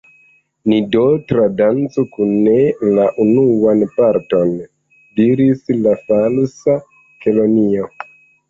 "Ni do tradancu kune la unuan parton," diris la Falsa Kelonio.